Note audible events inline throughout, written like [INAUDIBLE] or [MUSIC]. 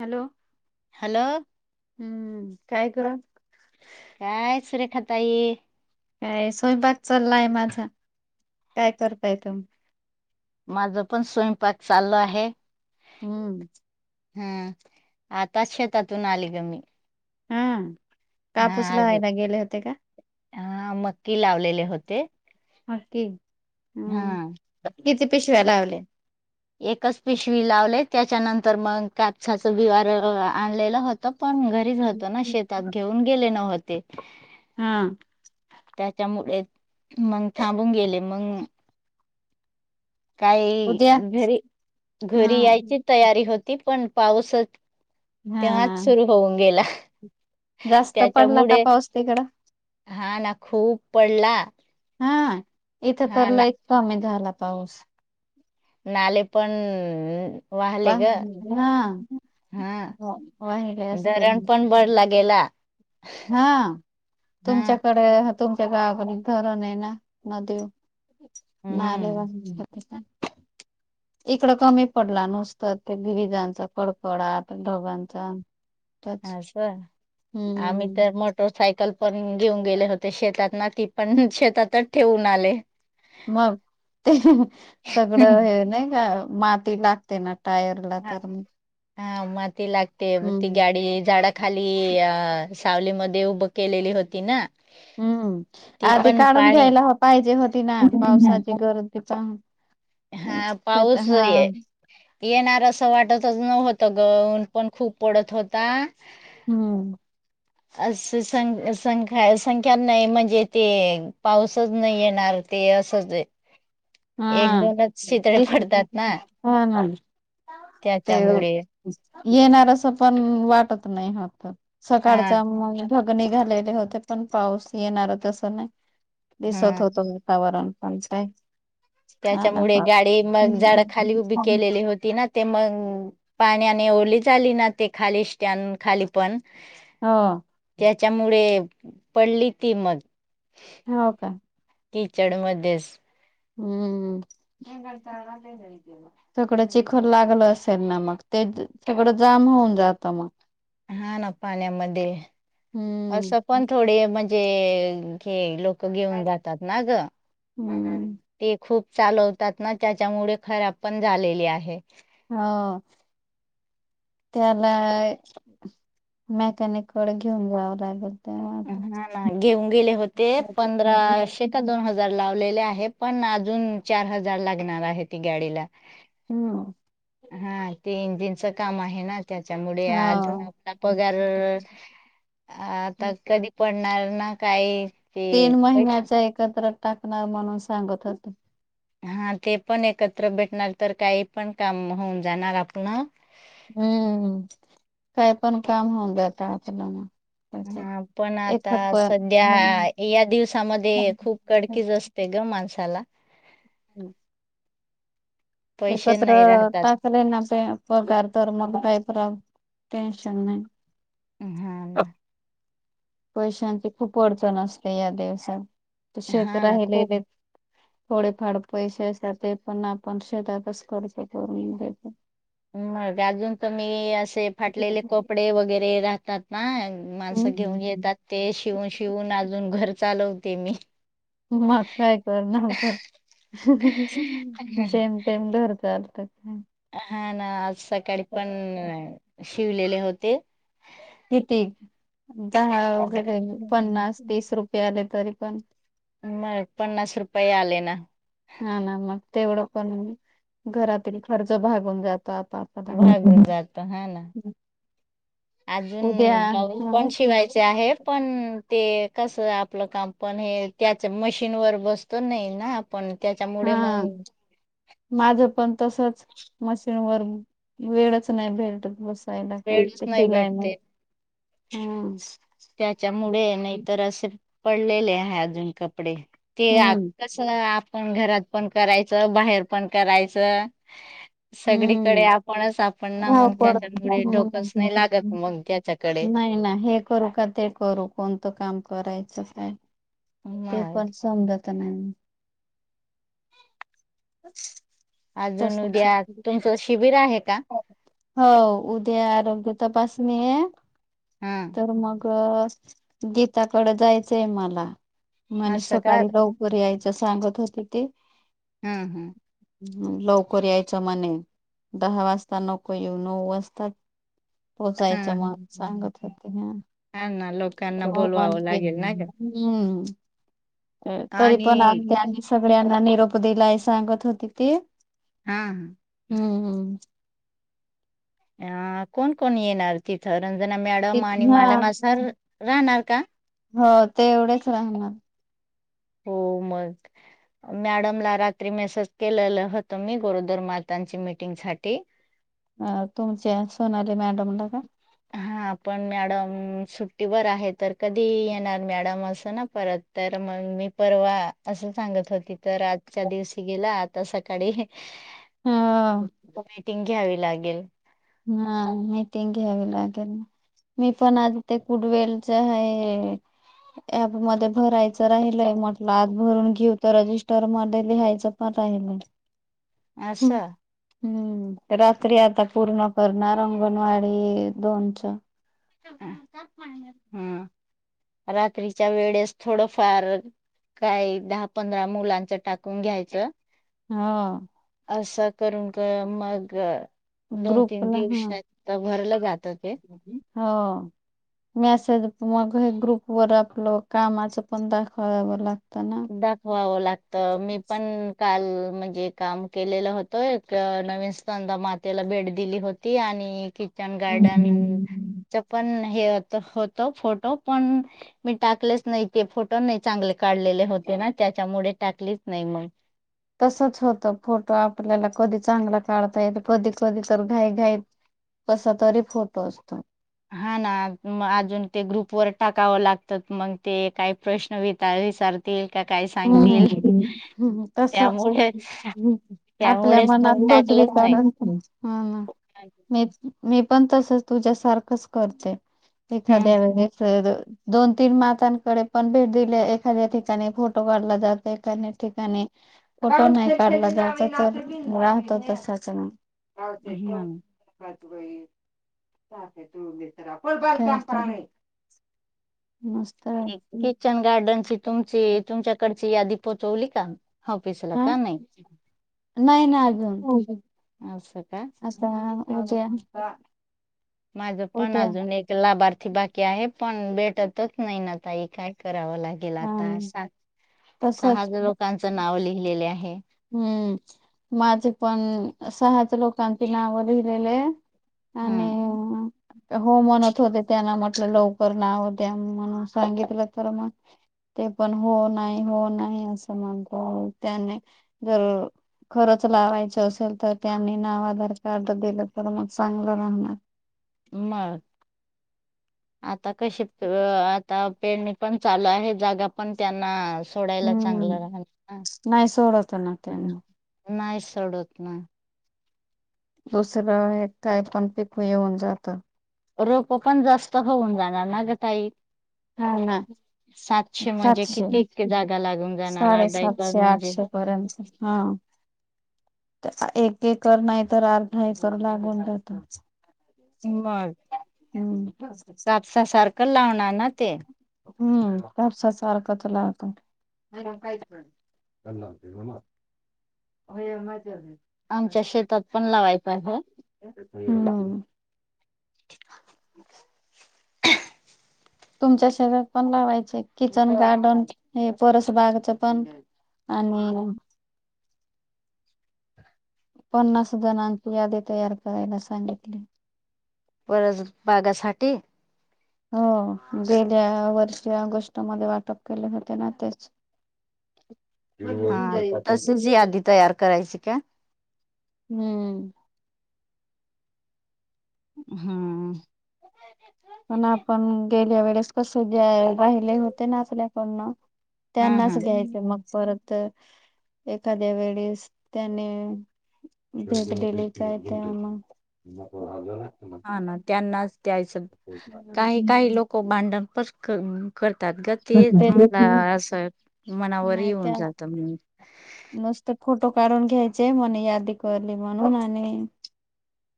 Hello hello हम् काय गं काय सुरेखाताई काय सोयपाक चाललाय माझा काय करताय तुम्ही माझं पण स्वयंपाक चालु आहे हम्म हम्म आताच शेतातून आली ग मी हा हा कापूस आज लावायला गेले होते का? हा मक्की लावलेले होते हा तेे हा पिशव्या लावले एकच पिशवी लावलेत त्याच्यानंतर मग कापसाचं बिवार आणलेलं होतं पण घरीच होतो ना शेतात घेऊन गेले नव्हते. हा त्याच्यामुळे मग थांबून गेले मग काही उद्या घरी हा घरी यायची तयारी होती पण पाऊसच! हा ना तेव्हाच सुरू होऊन गेला जास्त पडला का त्याच्यामुळे पाऊस तिकडं हा ना खूप पडला हा इथं तर हा ना लय एक कमी झाला पाऊस नाले पण पा [UNINTELLIGIBLE] हा धरण पण भरला गेला. हा हां. तुमच्याकडे तुमच्या गावाकडे धरण आहे ना नदी नालेवर हं. [INAUDIBLE] इकडं कमी पडला नुसत ते विजांचा कडकडा ढोघांचा अस आम्ही हम्म तर मोटर सायकल पण घेऊन गे होते शेतात ना पण शेतातच ठेवून आले. मग ते सगळं हे नाही का माती लागते ना टायरला तर हा माती लागते ती हम्म गाडी झाडा खाली अ सावलीमध्ये उभं केलेली होती ना हम्म ती आधी पण काढून पाणी घ्यायला पाहिजे होती ना पावसाची [UNINTELLIGIBLE] हा पाऊस आहे हा येणार असं वाटतच नवत [UNINTELLIGIBLE] त गऊन पण खूप पडत [UNINTELLIGIBLE] होता हम्म अस सं संख्या संख्या नाही म्हणजे ते पाऊसच नाही येणार [UNINTELLIGIBLE] ते असंच एक हा दोनच शितळे पडतात ना हा ना ते त्याच्यामुळे येणार अस पण वाटत नाही होत हा सकाळच्या म भगणी झालेले होते पण पाऊस येणार तसं नाही हा दिसत होत वातावरण पमचय [UNINTELLIGIBLE] त्याच्यामुळे गाडी मग झाड खाली उभी केलेली होती ना ते मग पाण्याने ओरली झाली ना ते खाली स्टँन खाली पण हा त्याच्यामुळे पडली ती मग ह हो का किचड मध्येच हम्म [UNINTELLIGIBLE] सगडं चिखल लागलं असेल ना मग ते सगडं जाम हो होन जात मग हा ना पाण्यामध्ये असं हम्म. पण थोडे म्हणजे लोक घेऊन जातात ना ग हम्म ते खूप चालवतात ना त्याच्यामुळे खराब पण झालेली आहे हा त्याला मॅकॅनिककडे घेऊन जावं लागेल. तेव्हा आता. ह ना घेऊन गेले होते पंधराशेे ते दोन हजार जार लावलेले आहे पण अजून चार हजार लागणार आहेत गाडीला हम्म हं ते इंजिनचं काम आहे ना त्याच्यामुळे अजून हा. आपला पगार आता कधी पडणार ना काही ते तीन पैसे महिन्याचा एकत्र टाकणार म्हणून सांगत होते. हा ते पण एकत्र भेटणार तर काही पण काम होऊन जाणार आपलं हम्म काय पण काम होऊन जात आपलं मग हा पण आता सध्या या दिवसामध्ये खूप कडकीज असते ग माणसाला हम्म पैसे एकत्र नाही राहतात. टाकले ना पे पगार तर मग बॅक कराव. टेन्शन नाही हा ना पैशांची खूप अडचण असते या दिवसात ते शेत हा ना राहिलेले खूप थोडेफार पैसे असत्यात, ते पण आपण शेतातच खर्च करून घेतो. मग अजून तूमी असे फाटलेले कपडे वगैरे राहतात ना माणसं घेऊन येतात, ते शिवून शिवून अजून घर चालवते मी. मग काय करणार तर, जेम तेेम धरतात. त. हा ना, आज सकाळी पण शिवलेले होते. किती? दहा वगैरे पन्नास, तीस रुपये आले तरी पण मग पन्नास रुपये आले ना. हा ना, मग तेवढं पण घरातील खर्च भागून जात भागून जातो हा ना. आजून उद्या ब्लाऊज हा पण शिवायचे आहे पण ते कसं? आपलं काम पण हे, त्याच मशीनवर बसतो नाही ना. आपण हा त्याच्यामुळे मग माझ पण तसच मशीन वर वेळच नाही भेटत बसायला. पयला काय वेळच ते नाही केलाय मग भेटते हम्. त्याच्यामुळे नाही तर असे पडलेले हाय अजून कपडे. ते आ हम्म कस पण घरात पण करायचं, बाहेर पण करायचं. सगळीकडे हम्म आपणच आपण ना, मग धावपळ त्याच्यापुढे डोकच नाही लागत हम्म. मग त्याच्याकडे. नाही ना हे करू का? ते करू? कोणतं काम करायचं काय? ते मग पण समज त न्हाई. आजून उद्या तुमचं शिबिर आहे का हो उद्या आरोग्य तपासणी हाय. हा तर मग गीताकड जायचंय मला. मला असं का सकाळी लवकर यायच सांगत होते ते. हा हा. लवकर यायचं म्हणे, दहा वाजता नको येऊ, नऊ वाजताच हा पोहचायचं म हा सांगत होते. हा. हा ना लोकांना आता बोलवावं लागेल ना ग म [UNINTELLIGIBLE] तरी आणि पण आज त्यांनी सगळ्यांना निरोप दिलाय सांगत होते ते. हा. आ कोण कोण येणार तिथं? रंजना मॅडम आणि हा मालमा सर राहणार. का हो तेवढेच राहणार. हो. मग मॅडमला रात्री मेसेज केलेल होत मी, गुरुधर्मर्थाची मीटिंग साठी. अ तुमच्या सोनाली मॅडमला का? हा. हा पण मॅडम सुट्टीवर आहे तर, कधी येणार मॅडम असं ना परत? तर मग मी परवा आसं सांगत होती, तर आजच्या दिवशी गेला आता सकाळी हा मीटिंग घ्यावी लागेल. हा मीटिंग घ्यावी लागेल. मी पण आणते कुडवेलच आहे हे. ऍप मध्ये भरायचं राहिलय म्हटलं, आज भरून घेऊ तर रजिस्टर मध्ये लिहायचं पण ताई मले आशा? हम्म रात्री आता पूर्ण करणार अंगणवाडी दोनचं हम रात्रीच्या वेळेस थोडफार काही दहा पंधरा मुलांचं टाकून घ्यायचं. हा असं करून का मग दोन तीन ग्रुपला हा दिवसात भरला [UNINTELLIGIBLE] हो मेसेज मग हे ग्रुप वर आपलं कामाचं पण दाखवावं लागतं. ना दाखवावं लागतं मी पण काल म्हणजे काम केलेलं होतं एक नवीन स्तनदा मातेला भेट दिली होती आणि किचन गार्डन हम्म चं पण नाही. हे होत फोटो फोटो पण मी टाकलेच नाही ते फोटो नाही चांगले काढलेले होते. ना त्याच्यामुळे टाकलीच नाही मग तसच होतं फोटो आपल्याला कधी चांगला काढता येत कधी कधी तर घाई घाई कसा तरी फोटो असतो. हा ना मग अजून ते ग्रुपवर टाकावं लागतात मग ते काही प्रश्न विचारतील का काय सांगतील हम तसच त्यामुळे आपल्या त्यामुळेच मग मनातच टाकलंच नाही. [UNINTELLIGIBLE] मी पण तसच तुझ्यासारखंच करते हम्म एखाद्या वेळेस तर दोन तीन मातांकडे पण भेट दिली एखाद्या ठिकाणी फोटो काढला जाते एखाद्या ठिकाणी फोटो नाही काढला जात तर राहतो तसंच हम्म [UNINTELLIGIBLE] त तर आपण बता नाही [UNINTELLIGIBLE] किचन गार्डनची तुमची, तुमच्याकडची यादी पोचवली का? ऑफीसला का नाही. का ऑफिस ला म्हणजे माझ पण अजून एक लाभार्थी बाकी आहे, पण भेटतच नाही ना ताई काय करत करावं लागेल हा आता, सांग. तसच सहाच लोकांच नाव लिहिलेले आहे. हम्म माझे पण, सहाच लोकांची नाव लिहिलेले. आणि हम्म हो म्हणत होते त्याना म चल लवकर नाव द्या म्हणून सांगितलं तर मग. ते पण हो, नाही, हो, नाही, असं म्हणतो त्याने जर खरच लावायचं असेल तर. त्यांनी नाव आधार कार्ड दिलं तर मग चांगलं राहणार. मग आता, कसे आता. पेरणी पण चालू आहे, जागा पण त्यांना सोडायला हम्म चांगलं राहणार ना. नाही सोडत ना त्यांनी चडत नाय दुसरं हे काय पण टिकू येऊन जात रोप पण जास्त होऊन जाणार ना ग ताई हा ना सातशे म्हणजे सातशे किती इतके जाग त्याला घेऊन जाणारा दैताक साडेसातशे म्हणजे? आठशे तसा एक एकर नाही तर अर्धा एकर लागून जातं मग कापसा सारखं लावणार ना ते ह, ह सारखाच लागतोय होय आम्हा चार्जर आमच्या शेतात पण लावायच आहे हो हम्म तुमच्या शेतात पण लावायचे किचन गार्डन हे परसबागच पण आणि पन्नास जणांची यादी तयार करायला सांगितली परस बागासाठी हो गेल्या वर्षी ऑगस्टमध्ये वाटप केले होते ना तेच [INAUDIBLE] हां तसेच यादी तयार करायची का? हम्म हां पण आपण गेल्या वेळेस कस जाय राहिले होते ना असल्याकडन हा हा त्यांनाच घ्यायचे मग परत तर एखाद्या वेळेस त्याने भेटलेली काय ते आम हां ना त्यांनाच द्यायचं काही काही लोक भांडण पण कर तात ग ते मला ते असं मनावर येऊन जात म्हणून नुसत फोटो काढून घ्यायचे म्हणे यादी करली म्हणून आणि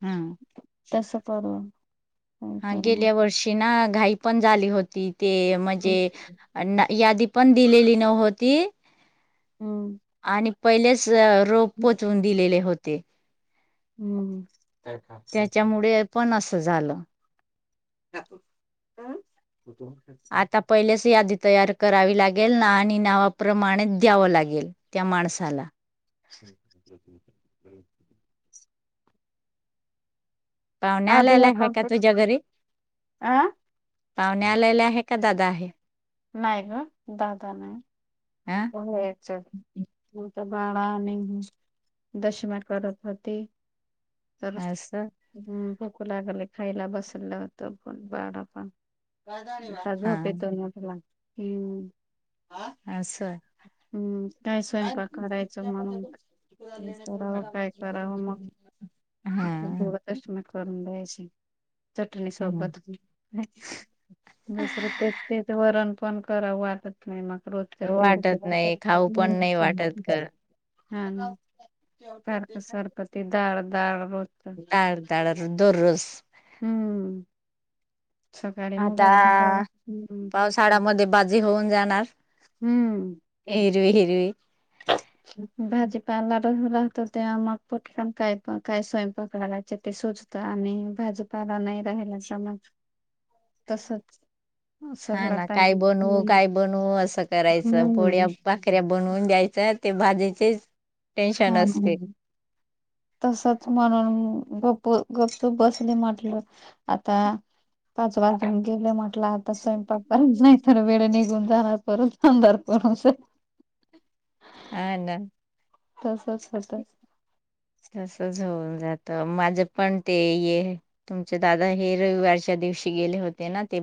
हां तसं परवा हां गेल्या वर्षी ना घाई पण झाली होती ते म्हणजे अ ना यादी पण दिलेली नहोती हम्म पहिलेच रोक पोचवून दिलेले होते हम्म त्याच्यामुळे पण असं झालं आता पहिलेच यादी तयार करावी लागे गेल ना आणि नावाप्रमाणे द्यावं लागेल त्या माणसाला [INAUDIBLE] पाहुण्या आधी आल्याला आहे आपण का ते तुझ्या घरी अ पाहुणे आलेले आहे का दादा आहे? नाही ग दादा नाही हा हेच आहेत त बाळा आणि दशमा करत होती तर असं हां भुकू लागले खायला बसलं होत बारा पण आता हा. झोपेतून उठला हम्म असं हम्म काय स्वयंपाक करायच म्हणून सरावं काय करावं मग हा म्हटलं करून द्याच चटणी ह सोबत दुसरं ते, ते वरण पण कराव वाटत नाही मग क्रोध करते खूप वाटत नाही खाऊ पण नाही वाटत कर हां सारखं सारखं ते दाळ दाळ रोजचं. टाळ टाळ दररोज हम्म सकाळी आता मुगाची डाळ हम्म पावसाळामध्ये बाजी होऊन जाणार. हम्म. हिरवी हिरवी भाजी पा ला होत तेव्हा मग पोटटा काय काय स्वयंपाक कराायचे ते सुजत आणि भाजूपा नाही राहिला समज तसच हा सगळा ना टाइम काय बनवू काय हम्म बनवू असं करायचं हम्म. पोळ्या बाखऱ्या बनवून द्यायच ते भाजीचेच हा टेन्शन असते तसच म्हणून गप्प गप्चूप बसले म्हटलं आता पाच वाज गेले म्हटलं आता स्वयंपाकपर्यंत नाही तर वेळ निघून जाणार परत अदार हो हा ना तसच होत तसच होऊन जात माझ पण ते ये तुमचे दादा हे रविवारच्या दिवशी गेले होते ना ते